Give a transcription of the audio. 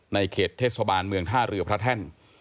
ในเขตเทศบาลเมืองท่าเรือพระแท่น